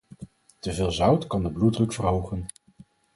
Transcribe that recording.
Te veel zout kan de bloeddruk verhogen